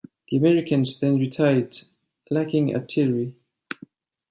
The Americans then retired, lacking artillery.